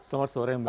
selamat sore mbak